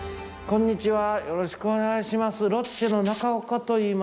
こんにちは。